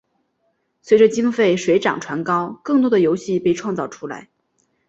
随着经费水涨船高更多的游戏被创造出来。